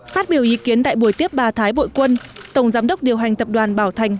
phát biểu ý kiến tại buổi tiếp bà thái bội quân tổng giám đốc điều hành tập đoàn bảo thành